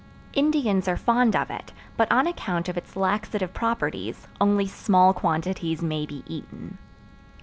Indians are fond of it, but on account of its laxative properties only small quantities may be eaten.